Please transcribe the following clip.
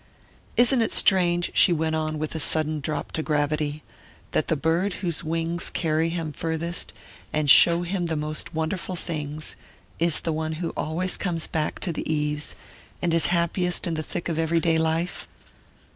"Isn't it strange," she went on with a sudden drop to gravity, "that the bird whose wings carry him farthest and show him the most wonderful things, is the one who always comes back to the eaves, and is happiest in the thick of everyday life?"